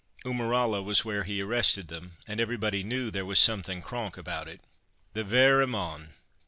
Eumeralla was where he arrested them, and everybody knew there was something 'cronk' about it." "The verra mon!